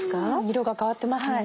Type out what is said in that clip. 色が変わってますもんね。